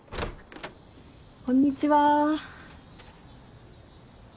こんにちは。えっ？